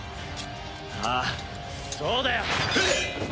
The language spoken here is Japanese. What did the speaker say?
ああそうだよ！